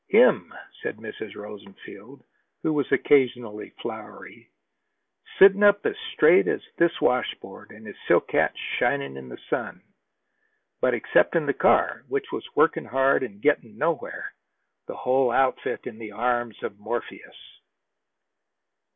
"Him," said Mrs. Rosenfeld, who was occasionally flowery, "sittin' up as straight as this washboard, and his silk hat shinin' in the sun; but exceptin' the car, which was workin' hard and gettin' nowhere, the whole outfit in the arms of Morpheus."